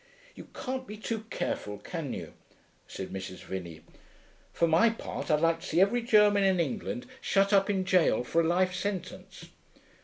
'You can't be too careful, can you?' said Mrs. Vinney. 'For my part I'd like to see every German in England shut up in gaol for a life sentence.